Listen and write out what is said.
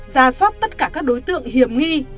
ra soát tất cả các đối tượng hiểm nghi